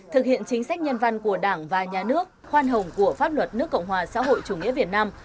thực hiện chính sách nhân văn của đảng và nhà nước khoan hồng của pháp luật nước cộng hòa xã hội chủ nghĩa việt nam